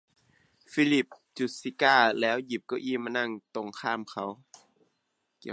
ฟิลิปจุดซิการ์แล้วหยิบเก้าอี้มานั่งตรงข้ามเขา